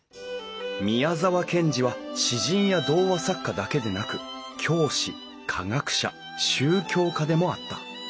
宮沢賢治は詩人や童話作家だけでなく教師科学者宗教家でもあった。